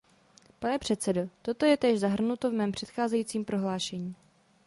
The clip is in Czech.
Pane předsedo, toto je též zahrnuto v mém předcházejícím prohlášení.